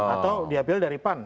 atau dia pilih dari pan